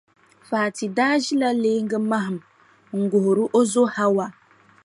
Fati daa ʒila leeŋa mahim n-guhiri o zo Hawa.